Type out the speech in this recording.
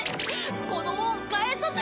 この恩返させて。